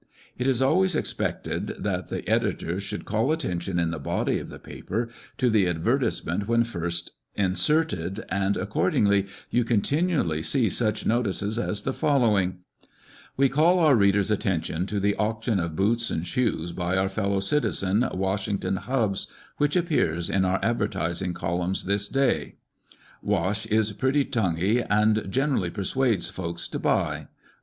It is always expected that the editor should call attention in the body of the paper to the ad vertisement when first inserted, and accordingly you continually see such notices as the follow ing :" We call our readers' attention to the auction of boots and shoes by our fellow citizen, Washington Hubbs, which appears in our ad vertising columns this day. Wash is pretty tonguey, and generally persuades folks to buy."